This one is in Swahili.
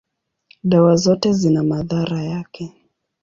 dawa zote zina madhara yake.